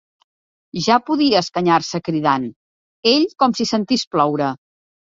Ja podia escanyar-se cridant: ell com si sentís ploure.